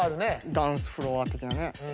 ダンスフロア的なね。